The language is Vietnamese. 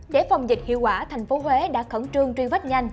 để phòng dịch hiệu quả thành phố huế đã khẩn trương truy vết nhanh